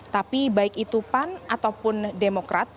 tapi baik itu pan ataupun demokrat